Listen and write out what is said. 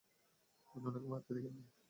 আপনি উনাকে মারতে দেখেননি?